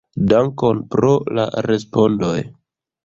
Dankon pro la respondoj!